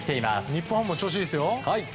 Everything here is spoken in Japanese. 日本ハムも調子がいいですよ。